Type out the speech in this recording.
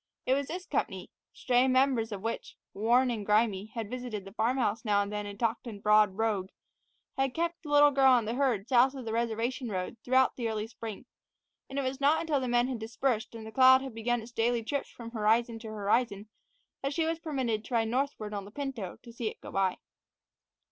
It was this company, stray members of which, worn and grimy, had visited the farm house now and then and talked in broad brogue, that had kept the little girl and the herd south of the reservation road throughout the early spring; and it was not until the men had dispersed and the cloud had begun its daily trips from horizon to horizon that she was permitted to ride northward on the pinto to see it go by.